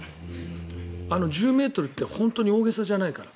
１０ｍって本当に大げさじゃないから。